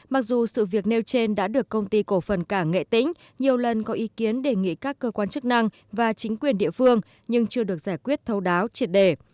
mặc dù sự việc nêu trên đã được công ty cổ phần cảng nghệ tĩnh nhiều lần có ý kiến đề nghị các cơ quan chức năng và chính quyền địa phương nhưng chưa được giải quyết thấu đáo triệt đề